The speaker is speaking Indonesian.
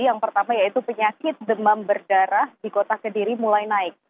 yang pertama yaitu penyakit demam berdarah di kota kediri mulai naik